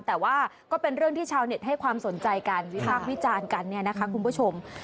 แต่ว่าก็เป็นเรื่องที่ชาวเน็ตให้ความสนใจกันวิพากษ์วิจารณ์กันเนี่ยนะคะคุณผู้ชม